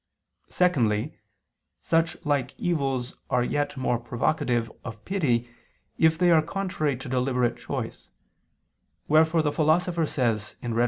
Secondly, such like evils are yet more provocative of pity if they are contrary to deliberate choice, wherefore the Philosopher says (Rhet.